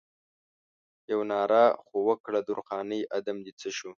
یوه ناره خو وکړه درخانۍ ادم دې څه شو؟